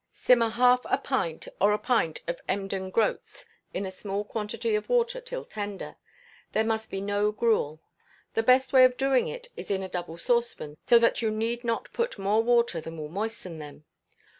Simmer half a pint or a pint of Embden groats in a small quantity of water till tender; there must be no gruel. The best way of doing it is in a double saucepan, so that you need not put more water than will moisten them.